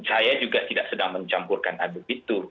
saya juga tidak sedang mencampurkan adu itu